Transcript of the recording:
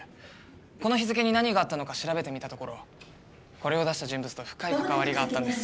この日付に何があったのか調べてみたところこれを出した人物と深い関わりがあったんです。